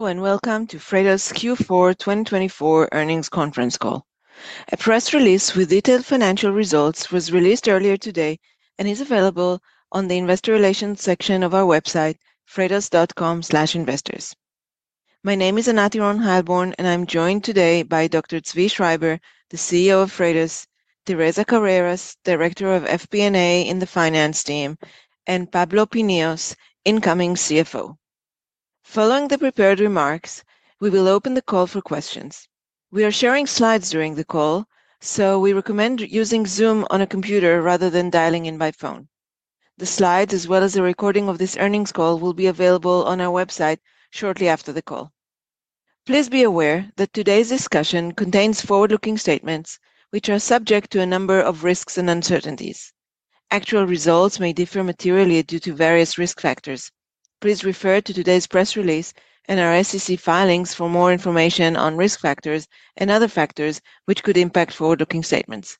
Welcome to Freightos Q4 2024 earnings conference call. A press release with detailed financial results was released earlier today and is available on the Investor Relations section of our website, freightos.com/investors. My name is Anat Earon-Heilborn, and I'm joined today by Dr. Zvi Schreiber, the CEO of Freightos, Teresa Carreras, Director of FP&A in the Finance Team, and Pablo Pinillos, Incoming CFO. Following the prepared remarks, we will open the call for questions. We are sharing slides during the call, so we recommend using Zoom on a computer rather than dialing in by phone. The slides, as well as the recording of this earnings call, will be available on our website shortly after the call. Please be aware that today's discussion contains forward-looking statements, which are subject to a number of risks and uncertainties. Actual results may differ materially due to various risk factors. Please refer to today's press release and our SEC filings for more information on risk factors and other factors which could impact forward-looking statements.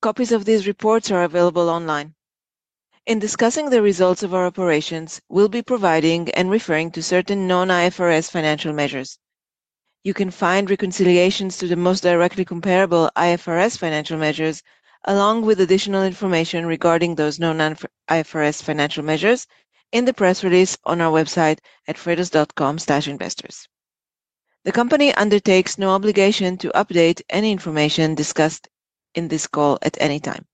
Copies of these reports are available online. In discussing the results of our operations, we'll be providing and referring to certain non-IFRS financial measures. You can find reconciliations to the most directly comparable IFRS financial measures, along with additional information regarding those non-IFRS financial measures, in the press release on our website at freightos.com/investors. The company undertakes no obligation to update any information discussed in this call at any time.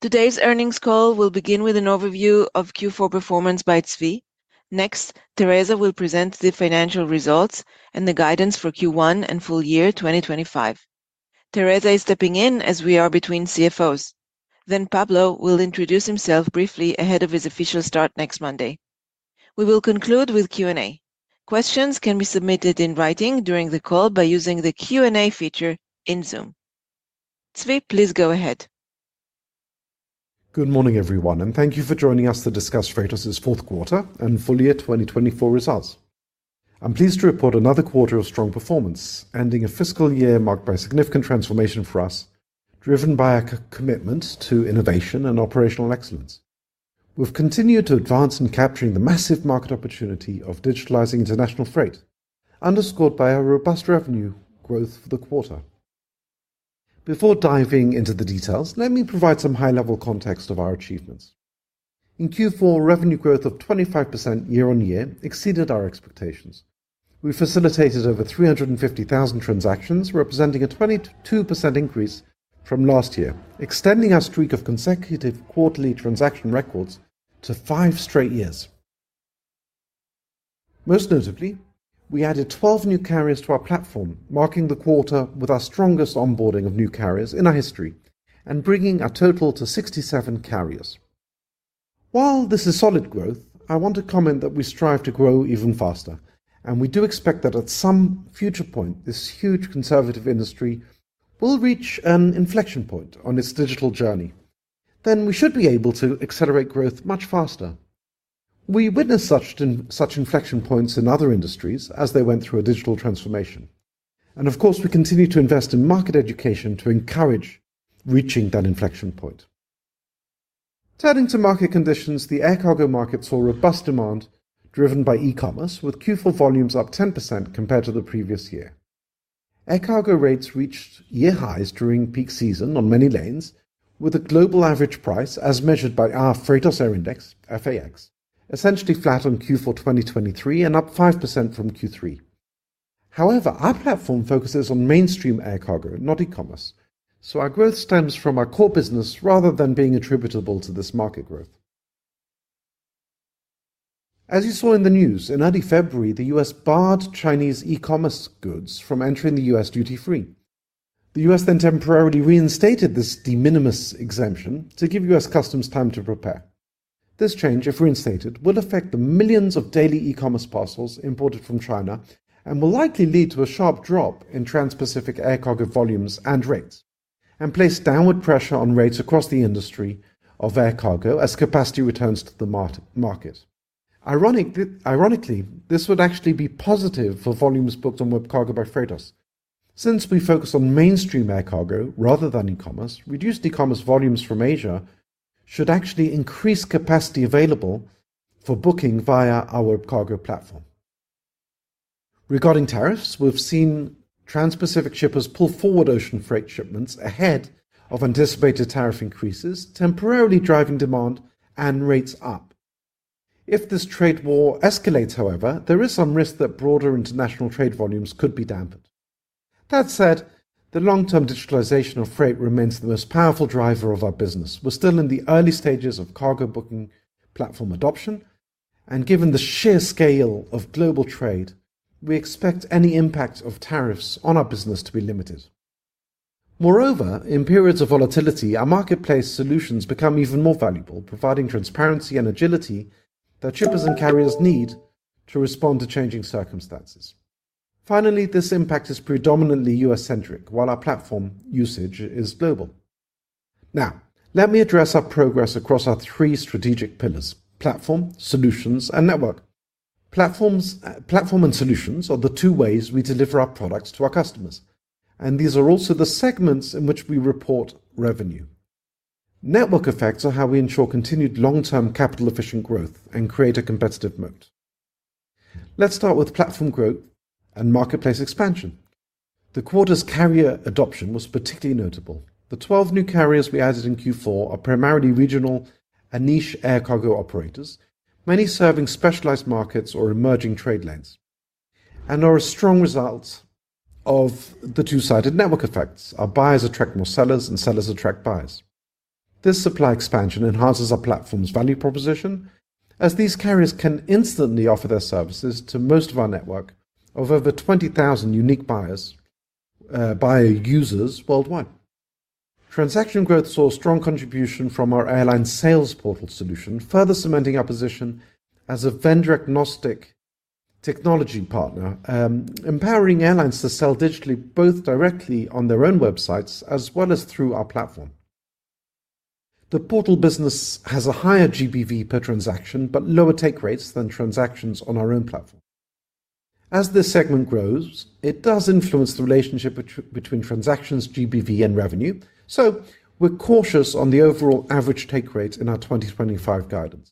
Today's earnings call will begin with an overview of Q4 performance by Zvi. Next, Teresa will present the financial results and the guidance for Q1 and full year 2025. Teresa is stepping in as we are between CFOs. Pablo will introduce himself briefly ahead of his official start next Monday. We will conclude with Q&A. Questions can be submitted in writing during the call by using the Q&A feature in Zoom. Zvi, please go ahead. Good morning, everyone, and thank you for joining us to discuss Freightos' fourth quarter and full year 2024 results. I'm pleased to report another quarter of strong performance, ending a fiscal year marked by significant transformation for us, driven by our commitment to innovation and operational excellence. We've continued to advance in capturing the massive market opportunity of digitalizing international freight, underscored by our robust revenue growth for the quarter. Before diving into the details, let me provide some high-level context of our achievements. In Q4, revenue growth of 25% year-on-year exceeded our expectations. We facilitated over 350,000 transactions, representing a 22% increase from last year, extending our streak of consecutive quarterly transaction records to five straight years. Most notably, we added 12 new carriers to our platform, marking the quarter with our strongest onboarding of new carriers in our history and bringing our total to 67 carriers. While this is solid growth, I want to comment that we strive to grow even faster, and we do expect that at some future point, this huge conservative industry will reach an inflection point on its digital journey. Then we should be able to accelerate growth much faster. We witnessed such inflection points in other industries as they went through a digital transformation. Of course, we continue to invest in market education to encourage reaching that inflection point. Turning to market conditions, the air cargo market saw robust demand driven by e-commerce, with Q4 volumes up 10% compared to the previous year. Air cargo rates reached year highs during peak season on many lanes, with a global average price, as measured by our Freightos Air Index (FAX), essentially flat on Q4 2023 and up 5% from Q3. However, our platform focuses on mainstream air cargo, not e-commerce, so our growth stems from our core business rather than being attributable to this market growth. As you saw in the news, in early February, the U.S. barred Chinese e-commerce goods from entering the U.S. duty-free. The U.S. then temporarily reinstated this de minimis exemption to give U.S. customs time to prepare. This change, if reinstated, will affect the millions of daily e-commerce parcels imported from China and will likely lead to a sharp drop in trans-Pacific air cargo volumes and rates, and place downward pressure on rates across the industry of air cargo as capacity returns to the market. Ironically, this would actually be positive for volumes booked on WebCargo by Freightos. Since we focus on mainstream air cargo rather than e-commerce, reduced e-commerce volumes from Asia should actually increase capacity available for booking via our WebCargo platform. Regarding tariffs, we've seen trans-Pacific shippers pull forward ocean freight shipments ahead of anticipated tariff increases, temporarily driving demand and rates up. If this trade war escalates, however, there is some risk that broader international trade volumes could be dampened. That said, the long-term digitalization of freight remains the most powerful driver of our business. We're still in the early stages of cargo booking platform adoption, and given the sheer scale of global trade, we expect any impact of tariffs on our business to be limited. Moreover, in periods of volatility, our marketplace solutions become even more valuable, providing transparency and agility that shippers and carriers need to respond to changing circumstances. Finally, this impact is predominantly U.S.-centric, while our platform usage is global. Now, let me address our progress across our three strategic pillars: platform, solutions, and network. Platform and solutions are the two ways we deliver our products to our customers, and these are also the segments in which we report revenue. Network effects are how we ensure continued long-term capital-efficient growth and create a competitive moat. Let's start with platform growth and marketplace expansion. The quarter's carrier adoption was particularly notable. The 12 new carriers we added in Q4 are primarily regional and niche air cargo operators, many serving specialized markets or emerging trade lanes. Our strong results of the two-sided network effects are buyers attract more sellers and sellers attract buyers. This supply expansion enhances our platform's value proposition, as these carriers can instantly offer their services to most of our network of over 20,000 unique buyers buyer users worldwide. Transaction growth saw a strong contribution from our airline sales portal solution, further cementing our position as a vendor-agnostic technology partner, empowering airlines to sell digitally both directly on their own websites as well as through our platform. The portal business has a higher GBV per transaction but lower take rates than transactions on our own platform. As this segment grows, it does influence the relationship between transactions, GBV, and revenue, so we're cautious on the overall average take rate in our 2025 guidance.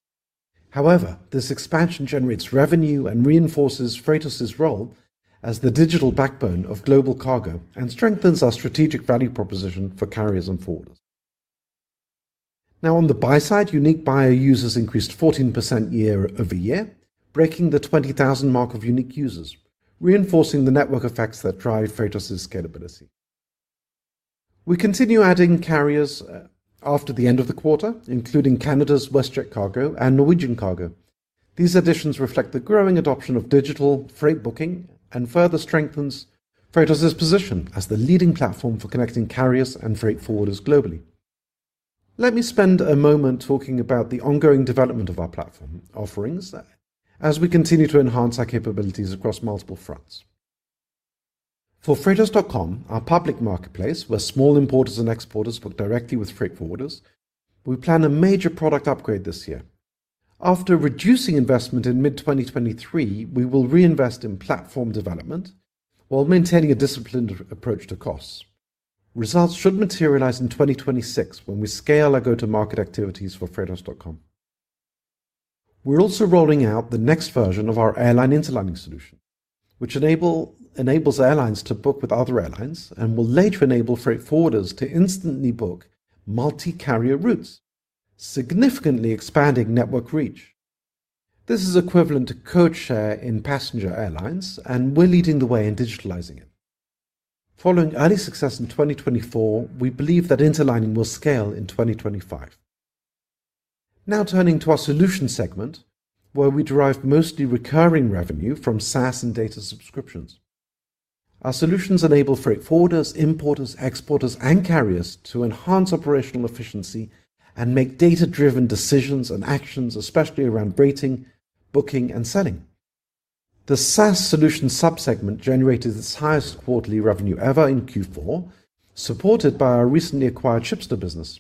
However, this expansion generates revenue and reinforces Freightos' role as the digital backbone of global cargo and strengthens our strategic value proposition for carriers and forwarders. Now, on the buy side, unique buyer users increased 14% year-over-year, breaking the 20,000 mark of unique users, reinforcing the network effects that drive Freightos' scalability. We continue adding carriers after the end of the quarter, including Canada's WestJet Cargo and Norwegian Cargo. These additions reflect the growing adoption of digital freight booking and further strengthen Freightos' position as the leading platform for connecting carriers and freight forwarders globally. Let me spend a moment talking about the ongoing development of our platform offerings as we continue to enhance our capabilities across multiple fronts. For Freightos.com, our public marketplace where small importers and exporters work directly with freight forwarders, we plan a major product upgrade this year. After reducing investment in mid-2023, we will reinvest in platform development while maintaining a disciplined approach to costs. Results should materialize in 2026 when we scale our go-to-market activities for Freightos.com. We're also rolling out the next version of our airline interlining solution, which enables airlines to book with other airlines and will later enable freight forwarders to instantly book multi-carrier routes, significantly expanding network reach. This is equivalent to codeshare in passenger airlines, and we're leading the way in digitalizing it. Following early success in 2024, we believe that interlining will scale in 2025. Now turning to our solution segment, where we derive mostly recurring revenue from SaaS and data subscriptions. Our solutions enable freight forwarders, importers, exporters, and carriers to enhance operational efficiency and make data-driven decisions and actions, especially around rating, booking, and selling. The SaaS Solution subsegment generated its highest quarterly revenue ever in Q4, supported by our recently acquired SHIPSTA business.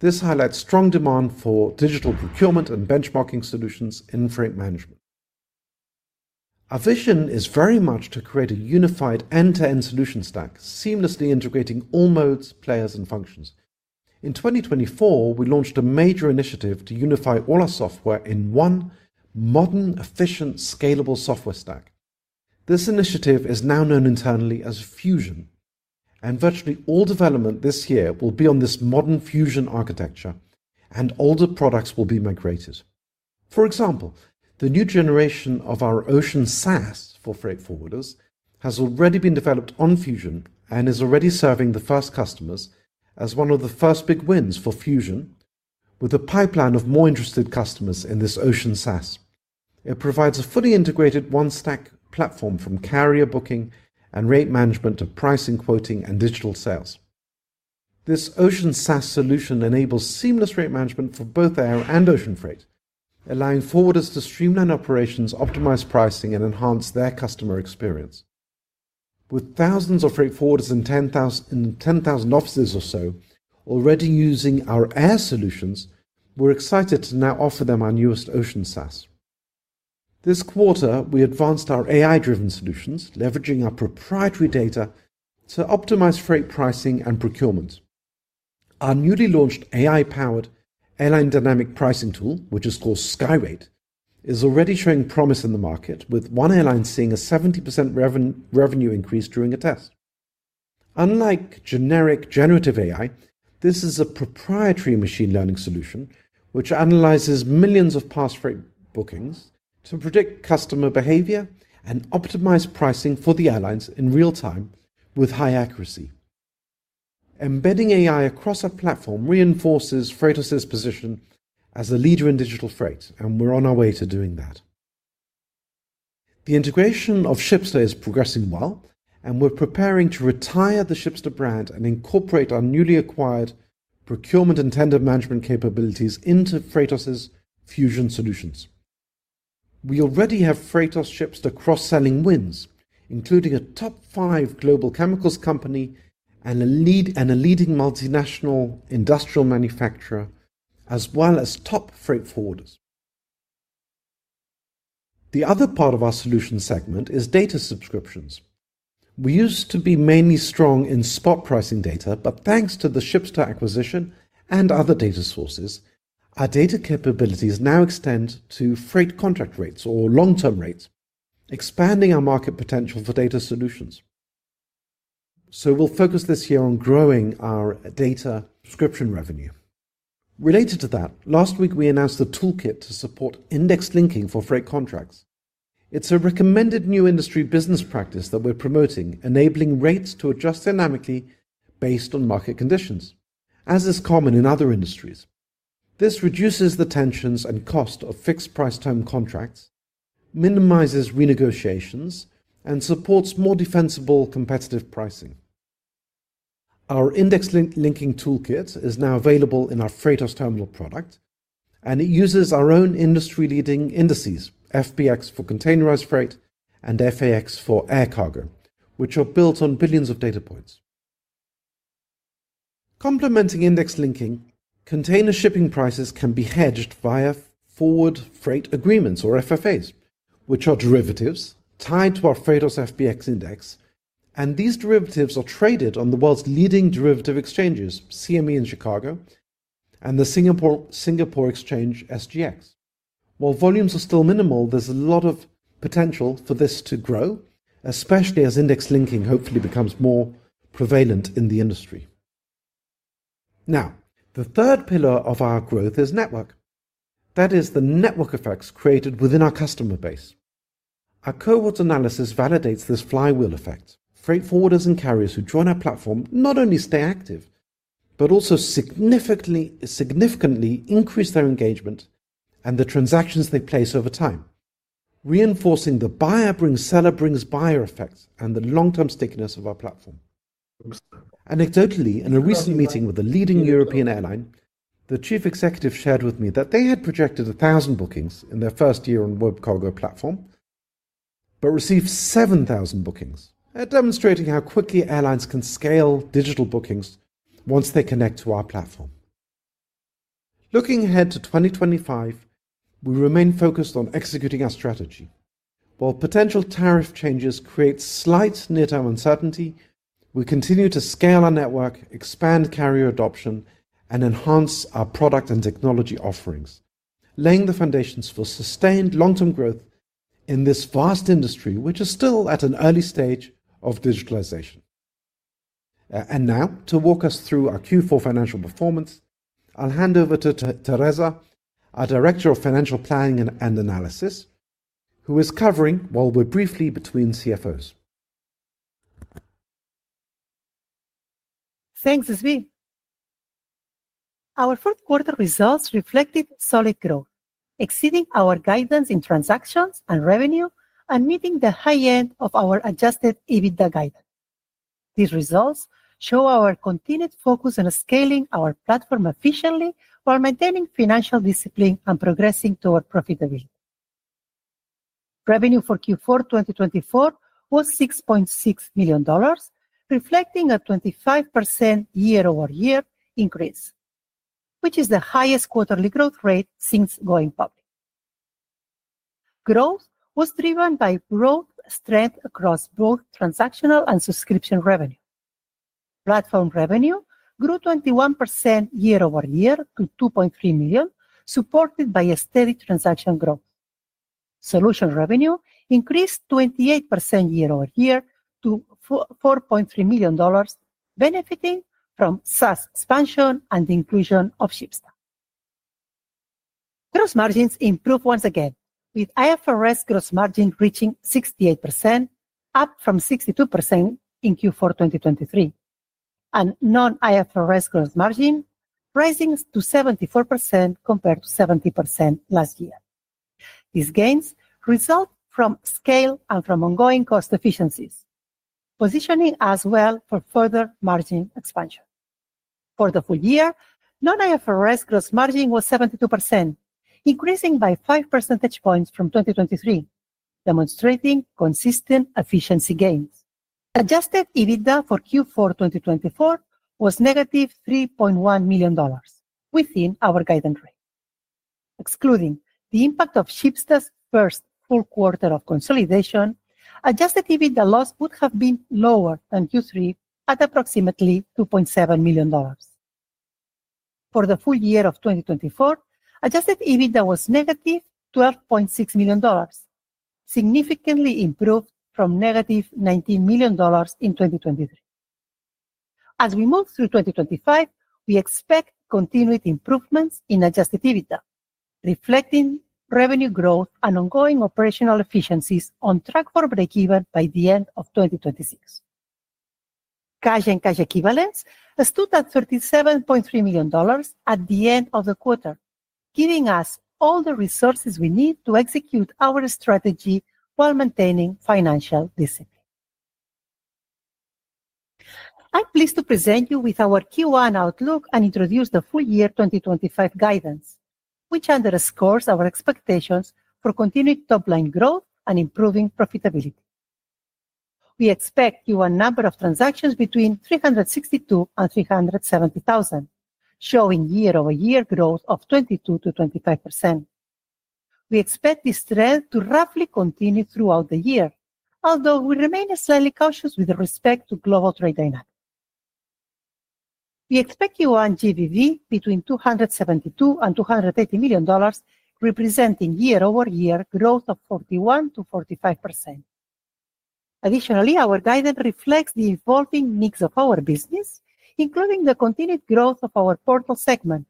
This highlights strong demand for digital procurement and benchmarking solutions in freight management. Our vision is very much to create a unified end-to-end solution stack, seamlessly integrating all modes, players, and functions. In 2024, we launched a major initiative to unify all our software in one modern, efficient, scalable software stack. This initiative is now known internally as Fusion, and virtually all development this year will be on this modern Fusion architecture, and older products will be migrated. For example, the new generation of our Ocean SaaS for freight forwarders has already been developed on Fusion and is already serving the first customers as one of the first big wins for Fusion, with a pipeline of more interested customers in this Ocean SaaS. It provides a fully integrated one-stack platform from carrier booking and rate management to pricing, quoting, and digital sales. This Ocean SaaS solution enables seamless rate management for both air and ocean freight, allowing forwarders to streamline operations, optimize pricing, and enhance their customer experience. With thousands of freight forwarders in 10,000 offices or so already using our air solutions, we're excited to now offer them our newest Ocean SaaS. This quarter, we advanced our AI-driven solutions, leveraging our proprietary data to optimize freight pricing and procurement. Our newly launched AI-powered airline dynamic pricing tool, which is called SkyRate, is already showing promise in the market, with one airline seeing a 70% revenue increase during a test. Unlike generic generative AI, this is a proprietary machine learning solution which analyzes millions of past freight bookings to predict customer behavior and optimize pricing for the airlines in real time with high accuracy. Embedding AI across our platform reinforces Freightos' position as a leader in digital freight, and we're on our way to doing that. The integration of SHIPSTA is progressing well, and we're preparing to retire the SHIPSTA brand and incorporate our newly acquired procurement and tender management capabilities into Freightos' Fusion solutions. We already have Freightos SHIPSTA cross-selling wins, including a top five global chemicals company and a leading multinational industrial manufacturer, as well as top freight forwarders. The other part of our solution segment is data subscriptions. We used to be mainly strong in spot pricing data, but thanks to the SHIPSTA acquisition and other data sources, our data capabilities now extend to freight contract rates or long-term rates, expanding our market potential for data solutions. We will focus this year on growing our data subscription revenue. Related to that, last week we announced the toolkit to support index linking for freight contracts. It's a recommended new industry business practice that we're promoting, enabling rates to adjust dynamically based on market conditions, as is common in other industries. This reduces the tensions and cost of fixed price term contracts, minimizes renegotiations, and supports more defensible competitive pricing. Our index linking toolkit is now available in our Freightos Terminal product, and it uses our own industry-leading indices, FBX for containerized freight and FAX for air cargo, which are built on billions of data points. Complementing index linking, container shipping prices can be hedged via forward freight agreements or FFAs, which are derivatives tied to our Freightos FBX index, and these derivatives are traded on the world's leading derivative exchanges, CME in Chicago and the Singapore Exchange SGX. While volumes are still minimal, there's a lot of potential for this to grow, especially as index linking hopefully becomes more prevalent in the industry. Now, the third pillar of our growth is network. That is the network effects created within our customer base. Our cohort analysis validates this flywheel effect. Freight forwarders and carriers who join our platform not only stay active, but also significantly increase their engagement and the transactions they place over time, reinforcing the buyer brings seller brings buyer effect and the long-term stickiness of our platform. Anecdotally, in a recent meeting with a leading European airline, the Chief Executive shared with me that they had projected 1,000 bookings in their first year on WebCargo platform, but received 7,000 bookings, demonstrating how quickly airlines can scale digital bookings once they connect to our platform. Looking ahead to 2025, we remain focused on executing our strategy. While potential tariff changes create slight near-term uncertainty, we continue to scale our network, expand carrier adoption, and enhance our product and technology offerings, laying the foundations for sustained long-term growth in this vast industry, which is still at an early stage of digitalization. Now, to walk us through our Q4 financial performance, I'll hand over to Teresa, our Director of Financial Planning and Analysis, who is covering while we're briefly between CFOs. Thanks, Zvi. Our fourth-quarter results reflected solid growth, exceeding our guidance in transactions and revenue and meeting the high end of our adjusted EBITDA guidance. These results show our continued focus on scaling our platform efficiently while maintaining financial discipline and progressing toward profitability. Revenue for Q4 2024 was $6.6 million, reflecting a 25% year-over-year increase, which is the highest quarterly growth rate since going public. Growth was driven by growth strength across both transactional and subscription revenue. Platform revenue grew 21% year-over-year to $2.3 million, supported by steady transaction growth. Solution revenue increased 28% year-over-year to $4.3 million, benefiting from SaaS expansion and the inclusion of SHIPSTA. Gross margins improved once again, with IFRS gross margin reaching 68%, up from 62% in Q4 2023, and non-IFRS gross margin rising to 74% compared to 70% last year. These gains result from scale and from ongoing cost efficiencies, positioning us well for further margin expansion. For the full year, non-IFRS gross margin was 72%, increasing by five percentage points from 2023, demonstrating consistent efficiency gains. Adjusted EBITDA for Q4 2024 was negative $3.1 million, within our guidance rate. Excluding the impact of SHIPSTA's first full quarter of consolidation, adjusted EBITDA loss would have been lower than Q3 at approximately $2.7 million. For the full year of 2024, adjusted EBITDA was negative $12.6 million, significantly improved from negative $19 million in 2023. As we move through 2025, we expect continued improvements in adjusted EBITDA, reflecting revenue growth and ongoing operational efficiencies on track for break-even by the end of 2026. Cash and cash equivalents stood at $37.3 million at the end of the quarter, giving us all the resources we need to execute our strategy while maintaining financial discipline. I'm pleased to present you with our Q1 outlook and introduce the full year 2025 guidance, which underscores our expectations for continued top-line growth and improving profitability. We expect Q1 number of transactions between 362,000 and 370,000, showing year-over-year growth of 22%-25%. We expect this trend to roughly continue throughout the year, although we remain slightly cautious with respect to global trade dynamics. We expect Q1 GBV between $272 million and $280 million, representing year-over-year growth of 41%-45%. Additionally, our guidance reflects the evolving mix of our business, including the continued growth of our portal segment,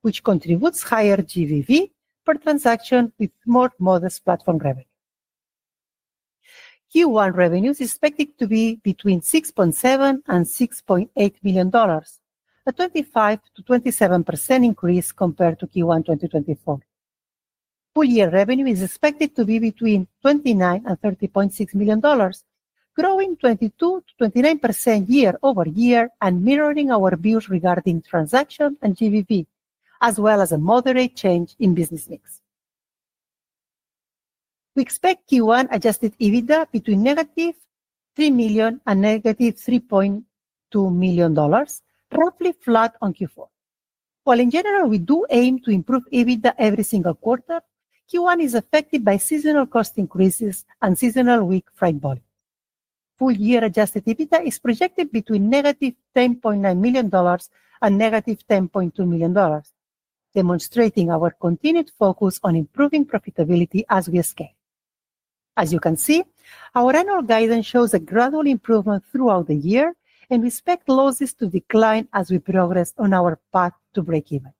which contributes higher GBV per transaction with more modest platform revenue. Q1 revenues are expected to be between $6.7 million and $6.8 million, a 25%-27% increase compared to Q1 2024. Full year revenue is expected to be between $29 million and $30.6 million, growing 22% to 29% year-over-year and mirroring our views regarding transaction and GBV, as well as a moderate change in business mix. We expect Q1 adjusted EBITDA between negative $3 million and negative $3.2 million, roughly flat on Q4. While in general we do aim to improve EBITDA every single quarter, Q1 is affected by seasonal cost increases and seasonal weak freight volume. Full year adjusted EBITDA is projected between negative $10.9 million and negative $10.2 million, demonstrating our continued focus on improving profitability as we scale. As you can see, our annual guidance shows a gradual improvement throughout the year, and we expect losses to decline as we progress on our path to break-even.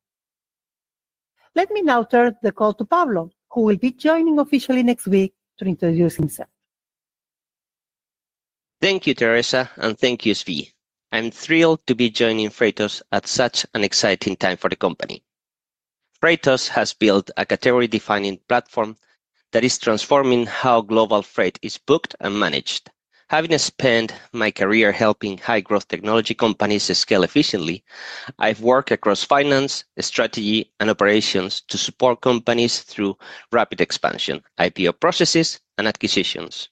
Let me now turn the call to Pablo, who will be joining officially next week to introduce himself. Thank you, Teresa, and thank you, Zvi. I'm thrilled to be joining Freightos at such an exciting time for the company. Freightos has built a category-defining platform that is transforming how global freight is booked and managed. Having spent my career helping high-growth technology companies scale efficiently, I've worked across finance, strategy, and operations to support companies through rapid expansion, IPO processes, and acquisitions.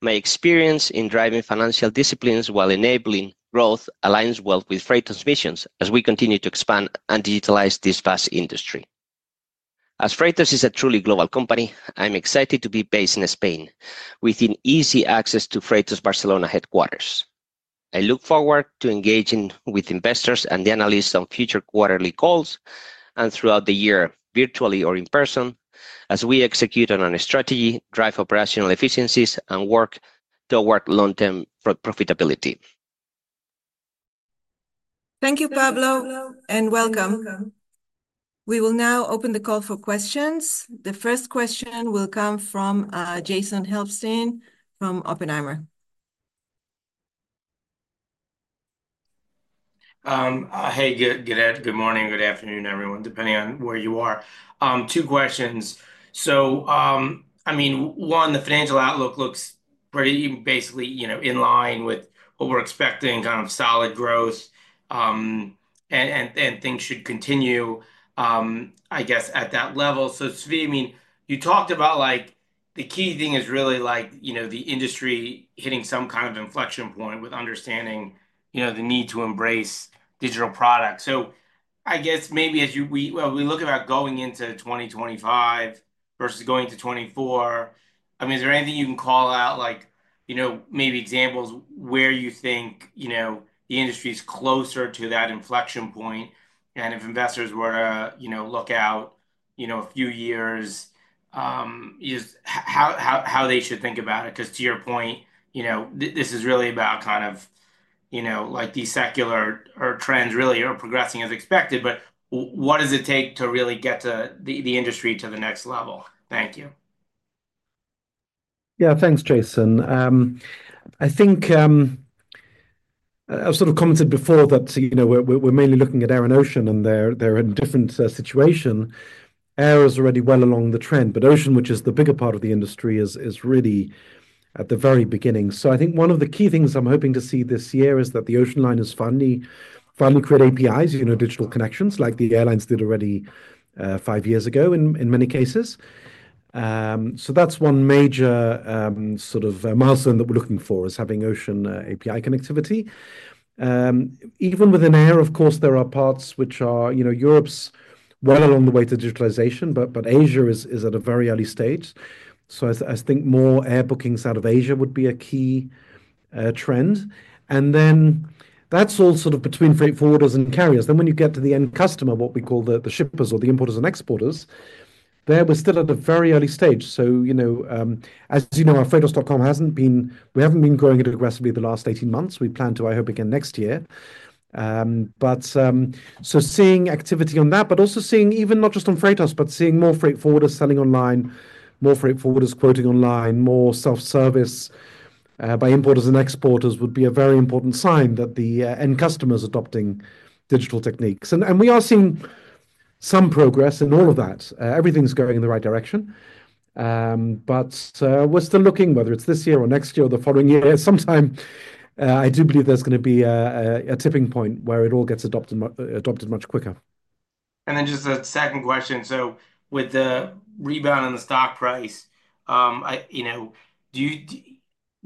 My experience in driving financial disciplines while enabling growth aligns well with Freightos' mission as we continue to expand and digitalize this vast industry. As Freightos is a truly global company, I'm excited to be based in Spain, within easy access to Freightos Barcelona headquarters. I look forward to engaging with investors and the analysts on future quarterly calls and throughout the year, virtually or in person, as we execute on our strategy, drive operational efficiencies, and work toward long-term profitability. Thank you, Pablo, and welcome. We will now open the call for questions. The first question will come from Jason Helfstein from Oppenheimer. Hey, good morning, good afternoon, everyone, depending on where you are. Two questions. I mean, one, the financial outlook looks pretty basically, you know, in line with what we're expecting, kind of solid growth, and things should continue, I guess, at that level. Zvi, I mean, you talked about, like, the key thing is really, like, you know, the industry hitting some kind of inflection point with understanding, you know, the need to embrace digital products. I guess maybe as you, well, we look at going into 2025 versus going to 2024, I mean, is there anything you can call out, like, you know, maybe examples where you think, you know, the industry is closer to that inflection point? If investors were, you know, look out, you know, a few years, just how they should think about it? Because to your point, you know, this is really about kind of, you know, like these secular trends really are progressing as expected, but what does it take to really get the industry to the next level? Thank you. Yeah, thanks, Jason. I think I've sort of commented before that, you know, we're mainly looking at air and ocean, and they're in a different situation. Air is already well along the trend, but ocean, which is the bigger part of the industry, is really at the very beginning. I think one of the key things I'm hoping to see this year is that the ocean line is finally creating APIs, you know, digital connections, like the airlines did already five years ago in many cases. That's one major sort of milestone that we're looking for is having ocean API connectivity. Even within air, of course, there are parts which are, you know, Europe's well along the way to digitalization, but Asia is at a very early stage. I think more air bookings out of Asia would be a key trend. That is all sort of between freight forwarders and carriers. When you get to the end customer, what we call the shippers or the importers and exporters, there we are still at a very early stage. You know, as you know, our freightos.com has not been, we have not been growing it aggressively the last 18 months. We plan to, I hope, again next year. Seeing activity on that, but also seeing even not just on Freightos, but seeing more freight forwarders selling online, more freight forwarders quoting online, more self-service by importers and exporters would be a very important sign that the end customer is adopting digital techniques. We are seeing some progress in all of that. Everything is going in the right direction. We're still looking, whether it's this year or next year or the following year, sometime I do believe there's going to be a tipping point where it all gets adopted much quicker. Just a second question. With the rebound in the stock price, you know, do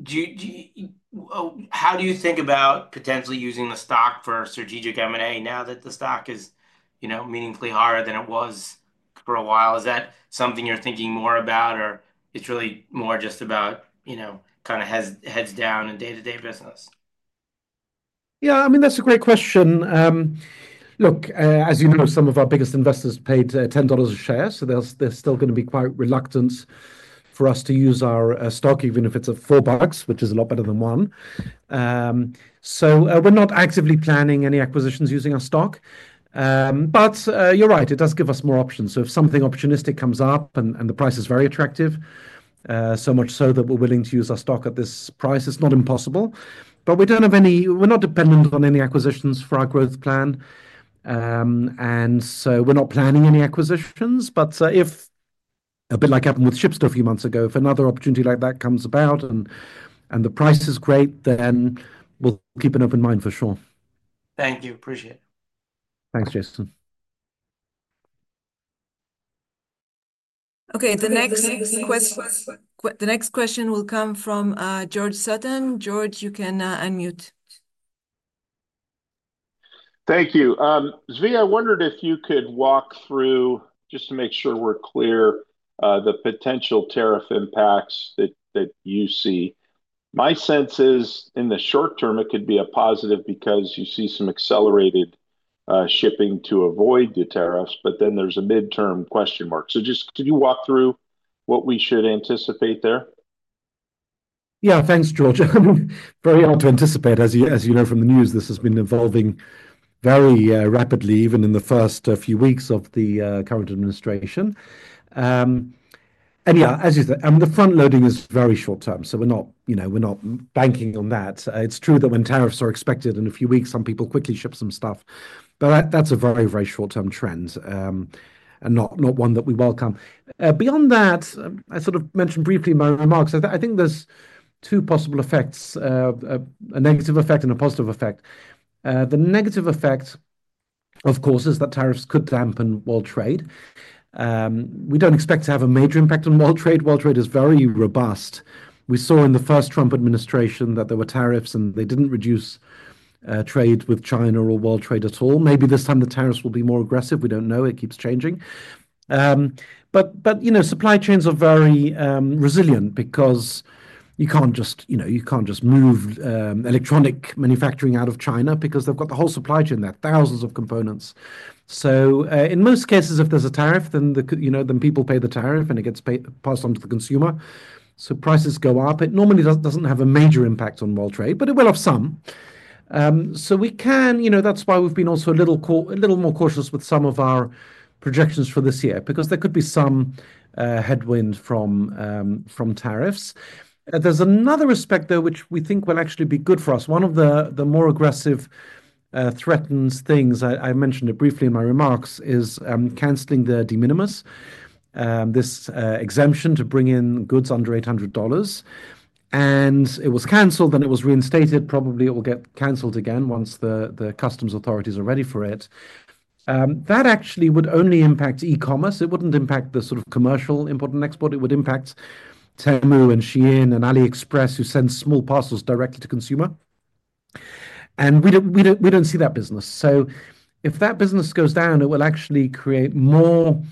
you, how do you think about potentially using the stock for strategic M&A now that the stock is, you know, meaningfully higher than it was for a while? Is that something you're thinking more about, or it's really more just about, you know, kind of heads down and day-to-day business? Yeah, I mean, that's a great question. Look, as you know, some of our biggest investors paid $10 a share, so they're still going to be quite reluctant for us to use our stock, even if it's at four bucks, which is a lot better than one. We're not actively planning any acquisitions using our stock. You're right, it does give us more options. If something opportunistic comes up and the price is very attractive, so much so that we're willing to use our stock at this price, it's not impossible. We don't have any, we're not dependent on any acquisitions for our growth plan. We're not planning any acquisitions. If, a bit like happened with SHIPSTA a few months ago, another opportunity like that comes about and the price is great, then we'll keep an open mind for sure. Thank you. Appreciate it. Thanks, Jason. Okay, the next question, the next question will come from George Sutton. George, you can unmute. Thank you. Zvi, I wondered if you could walk through, just to make sure we're clear, the potential tariff impacts that you see. My sense is, in the short term, it could be a positive because you see some accelerated shipping to avoid the tariffs, but then there's a midterm question mark. Just could you walk through what we should anticipate there? Yeah, thanks, George. Very hard to anticipate. As you know from the news, this has been evolving very rapidly, even in the first few weeks of the current administration. Yeah, as you said, I mean, the front loading is very short term, so we're not, you know, we're not banking on that. It's true that when tariffs are expected in a few weeks, some people quickly ship some stuff. That's a very, very short-term trend and not one that we welcome. Beyond that, I sort of mentioned briefly in my remarks, I think there's two possible effects, a negative effect and a positive effect. The negative effect, of course, is that tariffs could dampen world trade. We don't expect to have a major impact on world trade. World trade is very robust. We saw in the first Trump administration that there were tariffs and they didn't reduce trade with China or world trade at all. Maybe this time the tariffs will be more aggressive. We don't know. It keeps changing. You know, supply chains are very resilient because you can't just, you know, you can't just move electronic manufacturing out of China because they've got the whole supply chain there, thousands of components. In most cases, if there's a tariff, then, you know, then people pay the tariff and it gets passed on to the consumer. Prices go up. It normally doesn't have a major impact on world trade, but it will have some. We can, you know, that's why we've been also a little, a little more cautious with some of our projections for this year because there could be some headwind from tariffs. There's another aspect though, which we think will actually be good for us. One of the more aggressive threatened things, I mentioned it briefly in my remarks, is canceling the de minimis, this exemption to bring in goods under $800. It was canceled, then it was reinstated. Probably it will get canceled again once the customs authorities are ready for it. That actually would only impact e-commerce. It wouldn't impact the sort of commercial import and export. It would impact Temu and SHEIN and AliExpress, who send small parcels directly to consumer. We don't see that business. If that business goes down, it will actually create more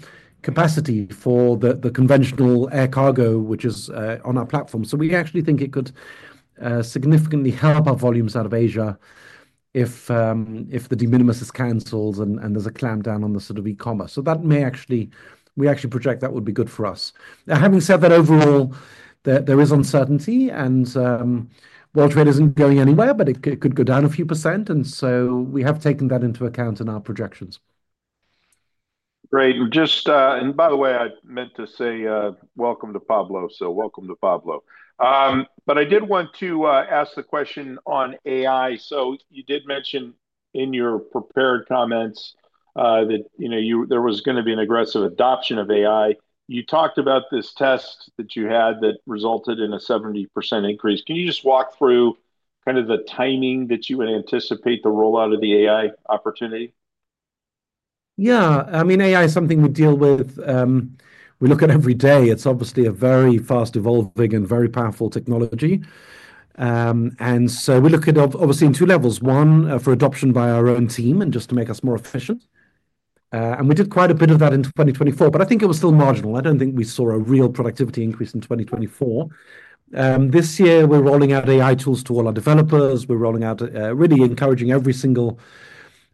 capacity for the conventional air cargo, which is on our platform. We actually think it could significantly help our volumes out of Asia if the de minimis is canceled and there's a clamp down on the sort of e-commerce. That may actually, we actually project that would be good for us. Having said that, overall, there is uncertainty and world trade isn't going anywhere, but it could go down a few percent. We have taken that into account in our projections. Great. By the way, I meant to say welcome to Pablo, so welcome to Pablo. I did want to ask the question on AI. You did mention in your prepared comments that, you know, there was going to be an aggressive adoption of AI. You talked about this test that you had that resulted in a 70% increase. Can you just walk through kind of the timing that you would anticipate the rollout of the AI opportunity? Yeah, I mean, AI is something we deal with. We look at every day. It's obviously a very fast-evolving and very powerful technology. We look at it obviously in two levels. One, for adoption by our own team and just to make us more efficient. We did quite a bit of that in 2024, but I think it was still marginal. I don't think we saw a real productivity increase in 2024. This year, we're rolling out AI tools to all our developers. We're rolling out, really encouraging every single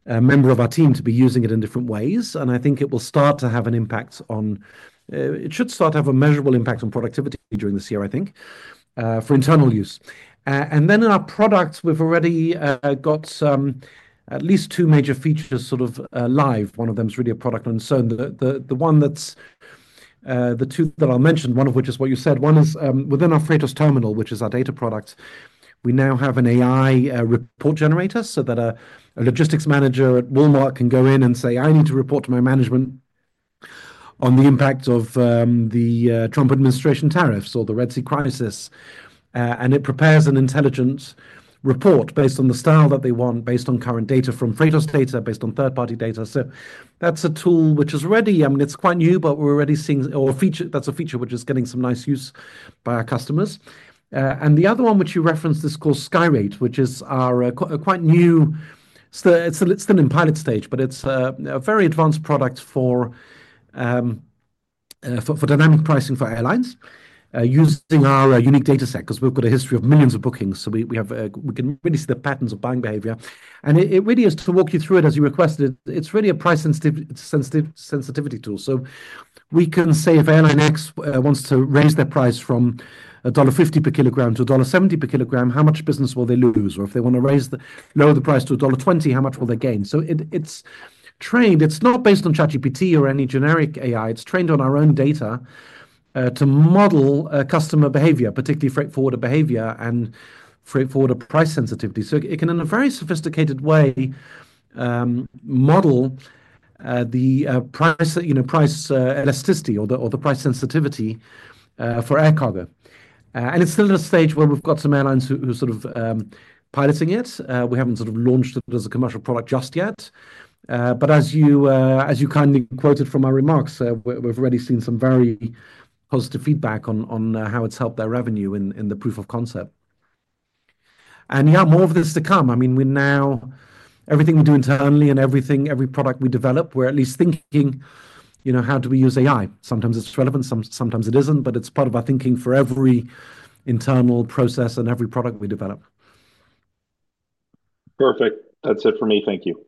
member of our team to be using it in different ways. I think it will start to have an impact on, it should start to have a measurable impact on productivity during this year, I think, for internal use. In our products, we've already got at least two major features sort of live. One of them is really a product concern. The one that's, the two that I'll mention, one of which is what you said, one is within our Freightos Terminal, which is our data product. We now have an AI report generator so that a logistics manager at Walmart can go in and say, "I need to report to my management on the impact of the Trump administration tariffs or the Red Sea crisis." It prepares an intelligence report based on the style that they want, based on current data from Freightos data, based on third-party data. That's a tool which is ready, I mean, it's quite new, but we're already seeing, or feature, that's a feature which is getting some nice use by our customers. The other one which you referenced is called SkyRate, which is our quite new, it's still in pilot stage, but it's a very advanced product for dynamic pricing for airlines using our unique data set because we've got a history of millions of bookings. We can really see the patterns of buying behavior. It really is, to walk you through it as you requested, it's really a price sensitivity tool. We can say if airline X wants to raise their price from $1.50 per kilogram to $1.70 per kilogram, how much business will they lose? Or if they want to lower the price to $1.20, how much will they gain? It's trained. It's not based on ChatGPT or any generic AI. It's trained on our own data to model customer behavior, particularly freight forwarder behavior and freight forwarder price sensitivity. It can in a very sophisticated way model the price, you know, price elasticity or the price sensitivity for air cargo. It's still at a stage where we've got some airlines who are sort of piloting it. We haven't sort of launched it as a commercial product just yet. As you kindly quoted from our remarks, we've already seen some very positive feedback on how it's helped their revenue in the proof of concept. Yeah, more of this to come. I mean, we now, everything we do internally and everything, every product we develop, we're at least thinking, you know, how do we use AI? Sometimes it's relevant, sometimes it isn't, but it's part of our thinking for every internal process and every product we develop. Perfect. That's it for me. Thank you.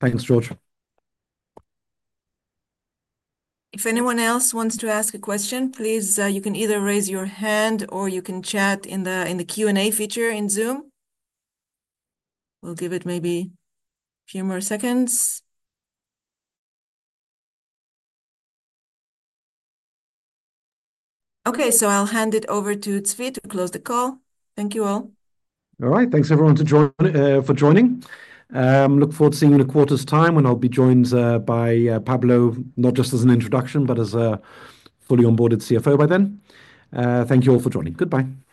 Thanks, George. If anyone else wants to ask a question, please, you can either raise your hand or you can chat in the Q&A feature in Zoom. We'll give it maybe a few more seconds. Okay, I’ll hand it over to Zvi to close the call. Thank you all. All right, thanks everyone for joining. Look forward to seeing you in a quarter's time when I'll be joined by Pablo, not just as an introduction, but as a fully onboarded CFO by then. Thank you all for joining. Goodbye.